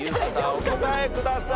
お答えください。